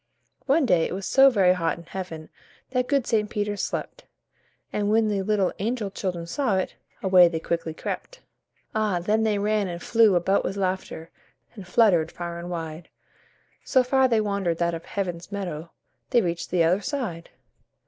One day it was so very hot in Heaven That good St. Peter slept, And when the little angel children saw it, Away they quickly crept. Ah! then they ran and flew about with laughter, And fluttered far and wide, So far they wandered that of Heaven's meadow They reached the other side.